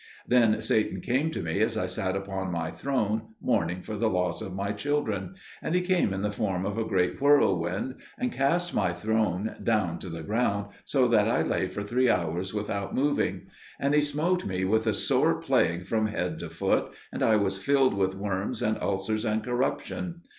Then Satan came to me as I sat upon my throne mourning for the loss of my children; and he came in the form of a great whirlwind, and cast my throne down to the ground, so that I lay for three hours without moving. And he smote me with a sore plague from head to foot, and I was filled with worms and ulcers and corruption.